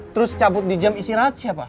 terus cabut di jam istirahat siapa